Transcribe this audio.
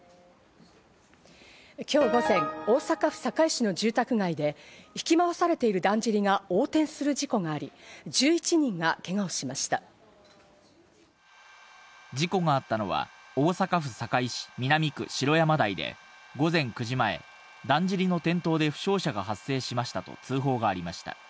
今日午前、大阪府堺市の住宅街で引き回されているだんじりが横転する事故があり、１１人がけがを事故があったのは大阪府堺市南区城山台で午前９時前、だんじりの転倒で負傷者が発生しましたと通報がありました。